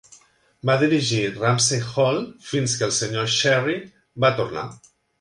Va dirigir Rumsey Hall fins que el Sr Sherry va tornar.